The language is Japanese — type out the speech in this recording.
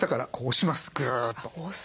押す。